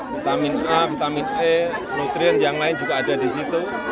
vitamin a vitamin e nutrien yang lain juga ada di situ